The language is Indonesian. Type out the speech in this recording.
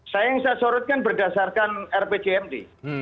saya yang saya sorotkan berdasarkan rpjmd